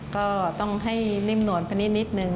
ก็ต้องให้นิ่มหนวนกันนิดหนึ่ง